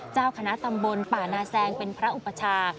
เจ้าคณะตำบลป่านาแซงเป็นพระอุปชา